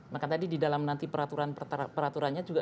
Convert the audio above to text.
maka tadi di dalam nanti peraturan peraturannya